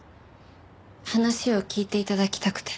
話を聞いて頂きたくて。